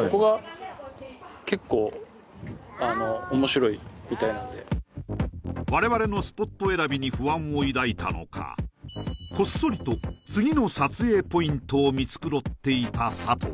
はい我々のスポット選びに不安を抱いたのかこっそりと次の撮影ポイントを見繕っていた佐藤